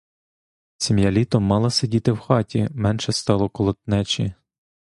Сім'я літом мало сиділа в хаті, менше стало колотнечі.